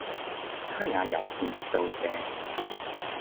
她也友善的道謝